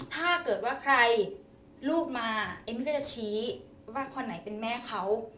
ถ้าเกิดว่าใครลูกมาเอมมี่ก็จะชี้ว่าคนไหนเป็นแม่เขา